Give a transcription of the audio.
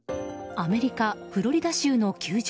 アメリカ・フロリダ州の球場。